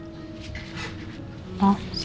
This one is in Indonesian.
oke kita makan dulu ya